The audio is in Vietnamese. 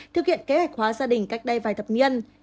thực hiện kế hoạch hóa gia đình cách đây vài thập niên